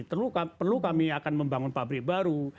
perlu kami akan membangun pabrik baru